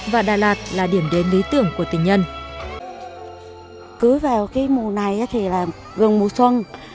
và đà lạt là điểm đến lý tưởng của tình nhân